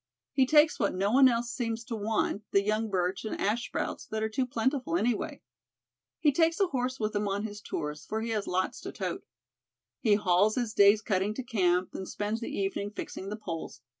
He takes what no one else seems to want, the young birch and ash sprouts that are too plentiful anyway. "He takes a horse with him on his tours, for he has lots to tote. He hauls his day's cutting to camp, and spends the evening fixing the poles.